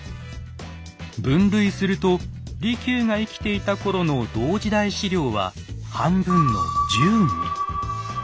分類すると利休が生きていた頃の「同時代史料」は半分の１０に。